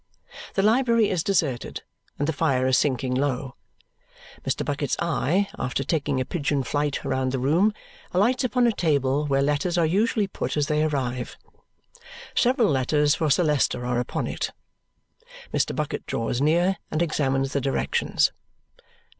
The library is deserted, and the fire is sinking low. Mr. Bucket's eye, after taking a pigeon flight round the room, alights upon a table where letters are usually put as they arrive. Several letters for Sir Leicester are upon it. Mr. Bucket draws near and examines the directions.